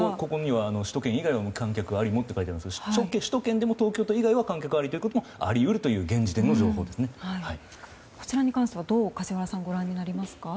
首都圏以外は無観客ありもって書いてありますが首都圏でも東京都以外は観客ありということもあり得るというのがこちらに関してはどう梶原さんご覧になりますか。